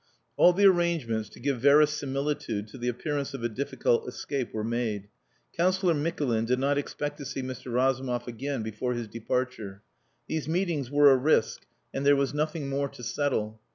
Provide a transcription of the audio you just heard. All the arrangements to give verisimilitude to the appearance of a difficult escape were made. Councillor Mikulin did not expect to see Mr. Razumov again before his departure. These meetings were a risk, and there was nothing more to settle.